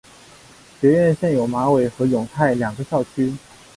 学院现有马尾和永泰两个校区。